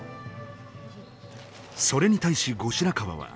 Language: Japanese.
それに対し後白河は。